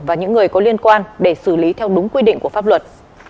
và những người có liên quan để xử lý theo đúng quy định của pháp luật